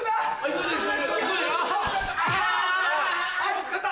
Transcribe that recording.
ぶつかった！